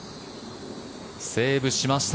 セーブしました。